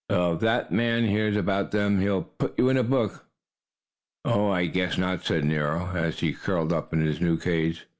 "Well, if that man hears about them he'll put you in a book." "Oh, I guess not," said Nero, as he curled up in his new cage.